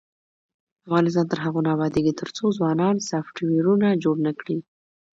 افغانستان تر هغو نه ابادیږي، ترڅو ځوانان سافټویرونه جوړ نکړي.